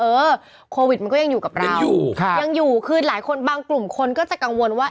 เออโควิดมันก็ยังอยู่กับเราอยู่ค่ะยังอยู่คือหลายคนบางกลุ่มคนก็จะกังวลว่า